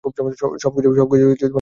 সবকিছু খুব চমৎকার।